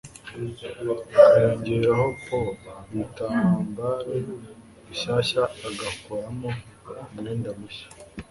akayongerahpo ibitambaro bishyashya agakoramo umwenda mushya